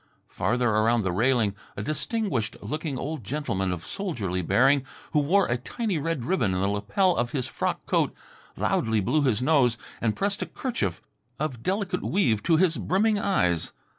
Farther around the railing a distinguished looking old gentleman of soldierly bearing, who wore a tiny red ribbon in the lapel of his frock coat, loudly blew his nose and pressed a kerchief of delicate weave to his brimming eyes.